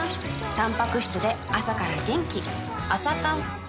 たんぱく質で朝から元気